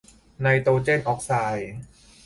ไนโตรเจนออกไซด์